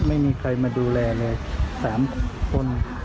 ไม่มีใครมาดูแลเลย๓คน